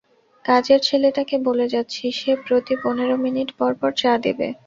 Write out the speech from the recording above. কাজের ছেলেটাকে বলে যাচ্ছি, সে প্রতি পনের মিনিট পরপর চা দেবে।